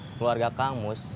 keluarga kang mus